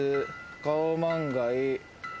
カオマンガイ。